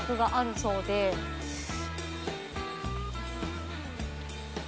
そうです。